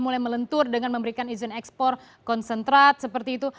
mulai melentur dengan memberikan izin ekspor konsentrat seperti itu